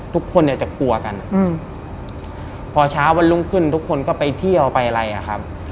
ทุกคนเนี่ยจะกลัวกันพอเช้าวันรุ่งขึ้นทุกคนก็ไปเที่ยวไปอะไรอ่ะครับ